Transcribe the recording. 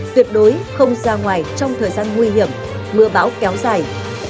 tuyệt đối không ra ngoài trong thời gian nguy hiểm mưa bão kéo dài